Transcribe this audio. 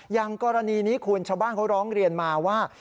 อย่างกรณีนี้คุณชาวบ้านเขาร้องเรียนมาว่า